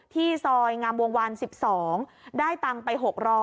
ซอยงามวงวัน๑๒ได้ตังค์ไป๖๐๐